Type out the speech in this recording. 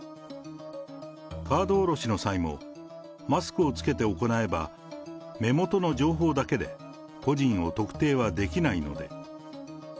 カード降ろしの際もマスクを着けて行えば、目元の情報だけで個人を特定はできないので。